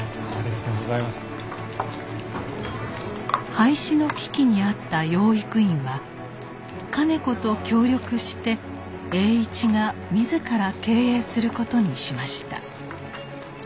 廃止の危機にあった養育院は兼子と協力して栄一が自ら経営することにしました。